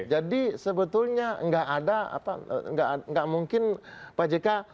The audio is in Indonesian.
jadi sebetulnya nggak ada apa nggak mungkin pak jk